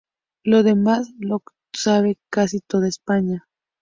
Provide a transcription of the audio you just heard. Lo demás, lo sabe casi toda España.